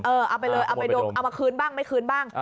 เออเอาไปเลยเอามาคืนบ้างไม่คืนบ้าง